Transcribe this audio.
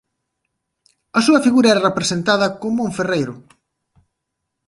A súa figura era representada como un ferreiro.